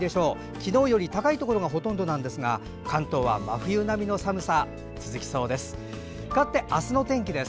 昨日より高いところがほとんどですが関東は真冬並みの寒さ続きそうです。